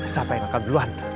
siapa yang akan duluan